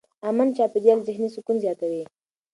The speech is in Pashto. امن چاپېریال ذهني سکون زیاتوي.